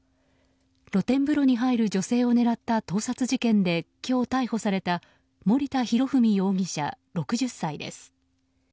露天風呂に入る女性を狙った盗撮事件で今日、逮捕された森田浩史容疑者、６０歳です。